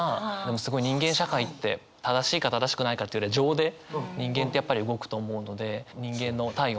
すごい人間社会って正しいか正しくないかというよりは情で人間ってやっぱり動くと思うので。